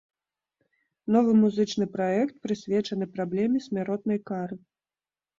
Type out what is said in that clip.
Новы музычны праект прысвечаны праблеме смяротнай кары.